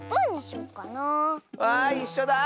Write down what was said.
わいいっしょだ！